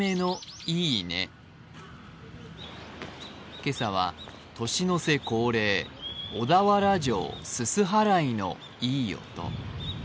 今朝は年の瀬恒例、小田原城すす払いのいい音。